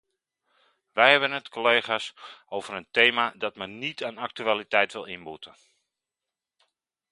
Wij hebben het, collega's, over een thema dat maar niet aan actualiteit wil inboeten.